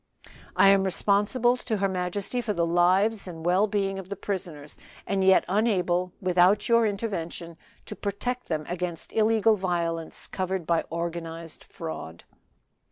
"I am responsible to her majesty for the lives and well being of the prisoners, and yet unable, without your intervention, to protect them against illegal violence covered by organized fraud."